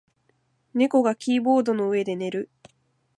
猫がキーボードの上で寝る。